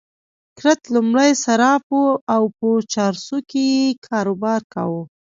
کرت لومړی صراف وو او په چارسو کې يې کاروبار کاوه.